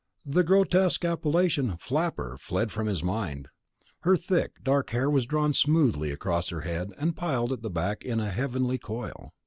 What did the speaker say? The grotesque appellation "flapper" fled from his mind. Her thick, dark hair was drawn smoothly across her head and piled at the back in a heavenly coil.